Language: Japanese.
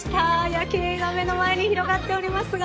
夜景が目の前に広がっておりますが。